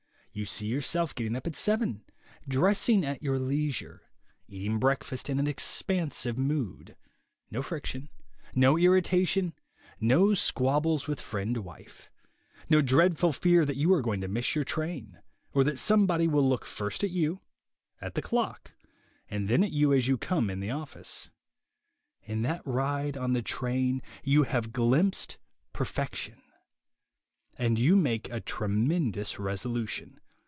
You see yourself getting up at seven, dressing at your leisure, eating break fast in an expansive mood; no friction; no irrita tion; no squabbles with friend wife; no dreadful fear that you are going to miss your train, or that somebody will look first at you, at the clock, and then at you as you come in the office. In that ride on the train you have glimpsed perfection. And you make a tremendous resolution.